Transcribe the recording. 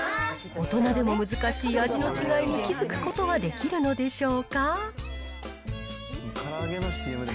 大人でも難しい味の違いに気付くことはできるのでしょうか。